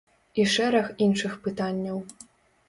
І шэраг іншых пытанняў.